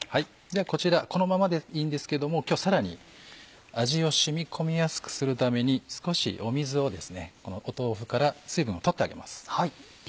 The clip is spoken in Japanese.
こちらこのままでいいんですけども今日さらに味を染み込みやすくするために少し水をこの豆腐から水分を取ってあげます。